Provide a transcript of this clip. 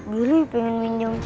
beli pengen minjem